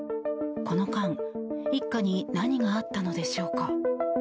この間、一家に何があったのでしょうか。